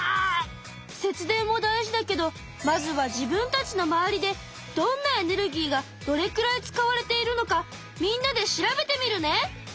節電も大事だけどまずは自分たちのまわりでどんなエネルギーがどれくらい使われているのかみんなで調べてみるね！